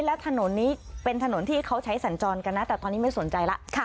แล้วถนนนี้เป็นถนนที่เขาใช้สัญจรกันนะแต่ตอนนี้ไม่สนใจแล้ว